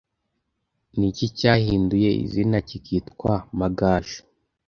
niki cyahinduye izina kikitwa magaju